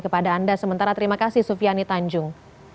kepada anda sementara terima kasih sufiani tanjung